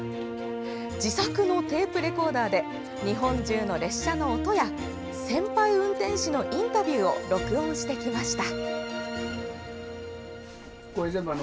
自作のテープレコーダーで日本中の列車の音や先輩運転士のインタビューを録音してきました。